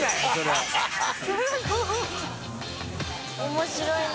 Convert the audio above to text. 面白いな。